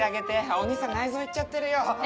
お義兄さん内臓いっちゃってるよ。